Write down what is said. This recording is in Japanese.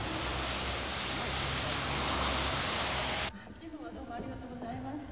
昨日はどうもありがとうございました。